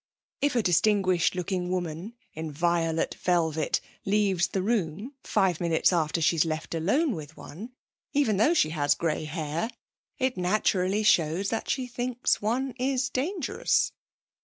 If a distinguished looking woman in violet velvet leaves the room five minutes after she's left alone with one even though she has grey hair it naturally shows that she thinks one is dangerous.